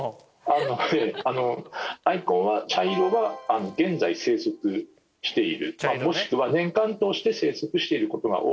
なのであのアイコンは茶色は現在生息しているもしくは年間を通して生息している事が多いお店です。